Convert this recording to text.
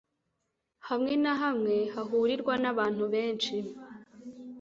hamwe na hamwe hahurirwa n abantu benshi